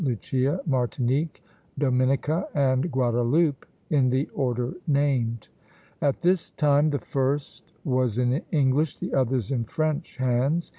Lucia, Martinique, Dominica, and Guadeloupe, in the order named. (See Plate XI. p. 378.) At this time the first was in English, the others in French, hands.